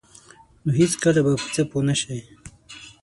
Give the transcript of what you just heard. نو هیڅکله به په څه پوه نشئ.